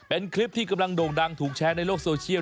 เป็นคลิปที่กำลังโด่งดังถูกแชร์ในโลกโซเชียล